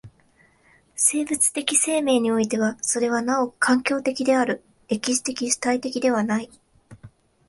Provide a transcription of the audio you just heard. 生物的生命においてはそれはなお環境的である、歴史的主体的ではない。